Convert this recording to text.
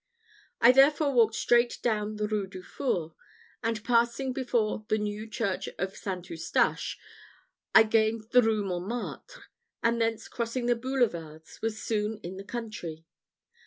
I therefore walked straight down the Rue du Four, and passing before the new church of St. Eustache, I gained the Rue Montmartre, and thence crossing the Boulevards, was soon in the country.